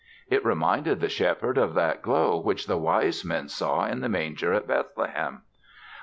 It reminded the Shepherd of that glow which the wise men saw in the manger at Bethlehem.